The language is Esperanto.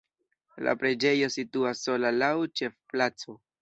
La preĝejo situas sola laŭ la ĉefplaco.